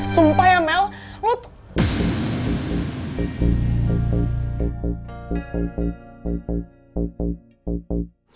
sumpah ya mel lo t